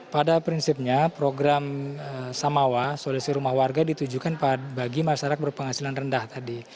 pada prinsipnya program samawa solusi rumah warga ditujukan bagi masyarakat berpenghasilan rendah tadi